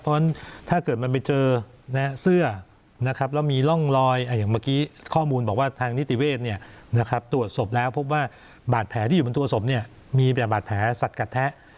เพราะว่าถ้าเกิดมันไปเจอนะฮะเสื้อนะครับแล้วมีร่องลอยอ่ะอย่างเมื่อกี้ข้อมูลบอกว่าทางนิติเวศเนี่ยนะครับตรวจศพแล้วพบว่าบาดแผลที่อยู่บนตัวศพเนี่ยมีแบบบาดแผลสัตว์กัดแท้